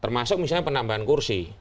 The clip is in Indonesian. termasuk misalnya penambahan kursi